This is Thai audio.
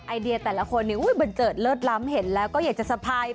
ไอเดียตลอดเนี่ยเฮ้ยเบนเจิดเบนเจอดลำเห็นแล้วก็อยากจะสะพายเป๊ง